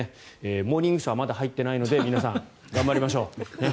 「モーニングショー」はまだ入っていないので皆さん頑張りましょう。